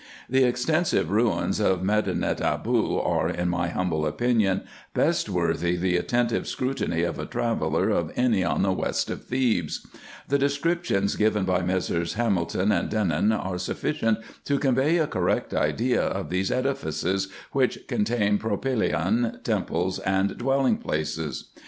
The extensive ruins of Medinet Aboo are, in my humble IN EGYPT, NUBIA, &c. 121 opinion, best worthy the attentive scrutiny of a traveller of any on the west of Thebes. The descriptions given by Messrs. Hamilton and Denon are sufficient to convey a correct idea of these edifices, which contain propykea, temples, and dwelling places.